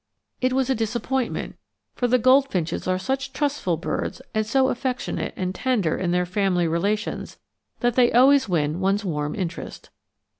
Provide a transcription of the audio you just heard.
It was a disappointment, for the goldfinches are such trustful birds and so affectionate and tender in their family relations that they always win one's warm interest.